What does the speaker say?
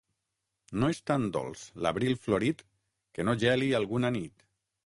No és tan dolç l'abril florit que no geli alguna nit.